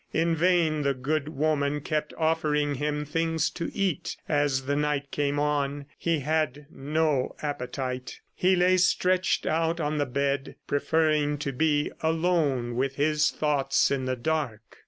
In vain the good woman kept offering him things to eat as the night came on he had no appetite. He lay stretched out on the bed, preferring to be alone with his thoughts in the dark.